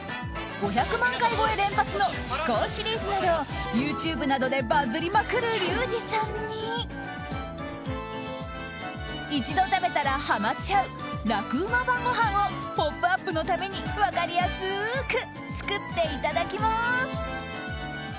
５００万回超え連発の至高シリーズなどＹｏｕＴｕｂｅなどでバズりまくるリュウジさんに一度食べたらハマっちゃう楽ウマ晩ごはんを「ポップＵＰ！」のために分かりやすく作っていただきます。